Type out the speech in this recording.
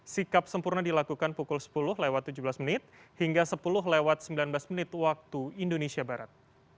sikap sempurna dilakukan pukul sepuluh lewat tujuh belas menit hingga sepuluh lewat sembilan belas menit waktu indonesia barat